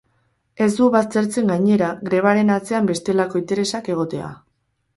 Ez du baztertzen, gainera, grebaren atzean bestelako interesak egotea.